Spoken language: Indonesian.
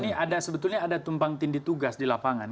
ini ada sebetulnya ada tumpang tindi tugas di lapangan